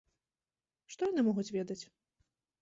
Што яны могуць ведаць?